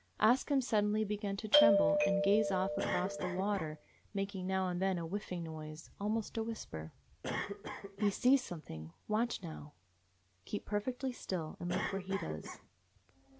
Ask Him suddenly began to tremble and gaze off across the water, making now and then a whining noise, almost a whisper. "He 's seeing something. Watch now. Keep perfectly still, and look where he does."